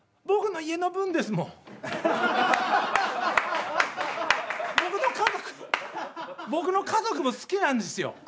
僕の家族僕の家族も好きなんですよ。